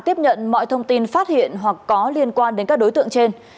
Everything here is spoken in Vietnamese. tiếp nhận mọi thông tin phát hiện hoặc có liên quan đến các đối tượng trên